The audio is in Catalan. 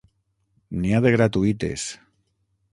N'hi ha de gratuïtes.